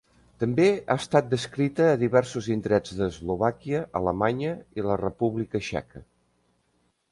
També ha estat descrita a diversos indrets d'Eslovàquia, Alemanya i la República Txeca.